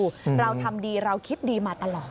เราทำดีเราคิดดีมาตลอด